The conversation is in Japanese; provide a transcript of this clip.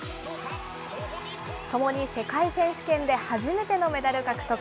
ともに世界選手権で初めてのメダル獲得。